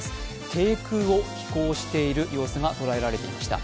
低空を飛行している様子が捉えられていました。